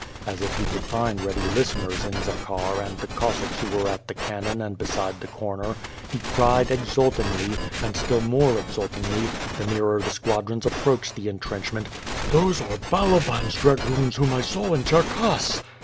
as if he could find ready listeners in Zakhar and the Cossacks who were at the cannon and beside the corner, he cried, exultingly, and still more exultingly, the nearer the squadrons approached the entrenchment: "Those are Ballabans dragoons whom I saw in Cherkass!"